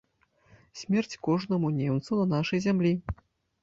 Смерць кожнаму немцу на нашай зямлі!